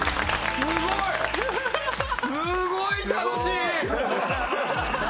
すごい楽しい！